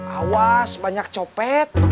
awas banyak copet